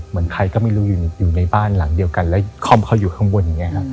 เหมือนใครก็ไม่รู้อยู่ในบ้านหลังเดียวกันแล้วค่อมเขาอยู่ข้างบนอย่างนี้ครับ